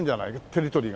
テリトリーが。